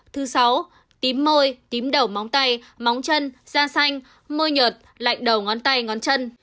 thứ sáu tím môi tím đầu móng tay móng chân da xanh môit lạnh đầu ngón tay ngón chân